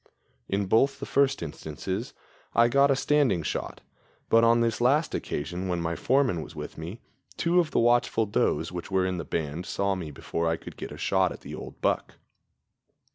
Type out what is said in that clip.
In both the first instances I got a standing shot, but on this last occasion, when my foreman was with me, two of the watchful does which were in the band saw me before I could get a shot at the old buck.